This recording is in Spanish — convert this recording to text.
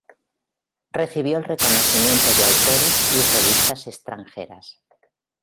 Recibió el reconocimiento de autores y revistas extranjeras.